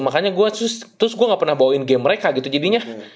makanya gue terus gue gak pernah bawain game mereka gitu jadinya